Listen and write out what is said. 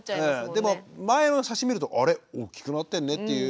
でも前の写真見ると「あれ大きくなってんね」っていう。